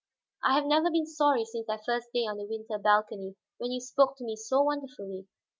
I have never been sorry since that first day on the winter balcony when you spoke to me so wonderfully.